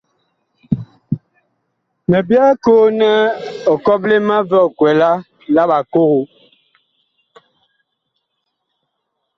Mi byɛɛ koo nɛ ɔ kɔple má vi ɔkwɛlaa la bakogo.